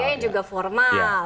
dengan gaya gaya yang juga formal